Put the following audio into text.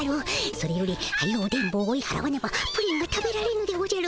それよりはよう電ボを追いはらわねばプリンが食べられぬでおじゃる。